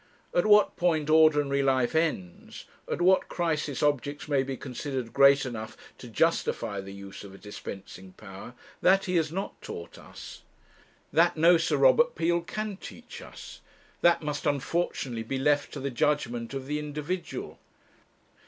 At what point ordinary life ends, at what crisis objects may be considered great enough to justify the use of a dispensing power, that he has not taught us; that no Sir Robert Peel can teach us; that must unfortunately be left to the judgement of the individual.